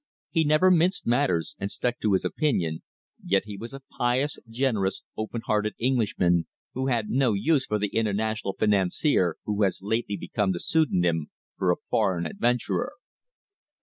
He never minced matters, and stuck to his opinion, yet he was a pious, generous, open hearted Englishman, who had no use for the "international financier," who has lately become the pseudonym for a foreign adventurer.